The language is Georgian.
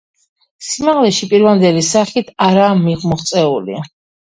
სიმაღლეში პირვანდელი სახით არაა მოღწეული.